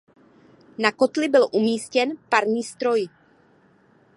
Na kotli byl umístěn parní stroj.